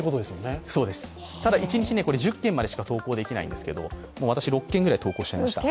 一日１０件までしか投稿できないんですけど、もう私６件くらい投稿しちゃいました。